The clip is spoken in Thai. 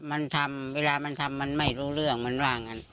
มันทำเวลามันทำมันไม่รู้เรื่องมันว่างั้น